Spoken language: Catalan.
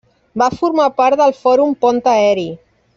Va formar part del Fòrum Pont Aeri.